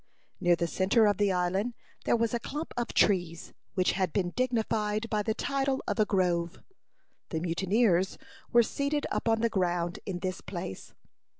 Near the centre of the island there was a clump of trees, which had been dignified by the title of a grove. The mutineers were seated upon the ground in this place.